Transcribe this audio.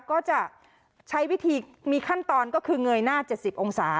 ก็จะใช้วิธีมีขั้นตอนก็คือเงยหน้า๗๐องศา